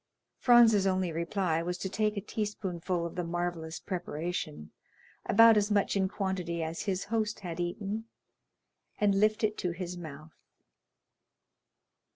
Franz's only reply was to take a teaspoonful of the marvellous preparation, about as much in quantity as his host had eaten, and lift it to his mouth.